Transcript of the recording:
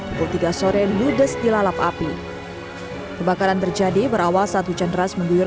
pukul tiga sore ludes dilalap api kebakaran terjadi berawal saat hujan deras mengguyur